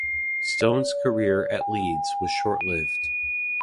Stone's career at Leeds was short-lived.